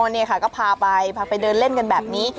นี่ค่ะก็พาไปพาไปเดินเล่นกันแบบนี้